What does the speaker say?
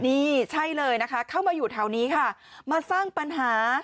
นี่ใช่เลยนะคะเข้ามาอยู่แถวนี้ค่ะมาสร้างปัญหา